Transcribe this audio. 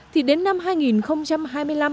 thì đến năm hai nghìn hai mươi năm